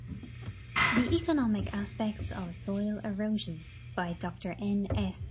THE ECONOMIC ASPECTS OF SOIL EROSION By Dr N, S.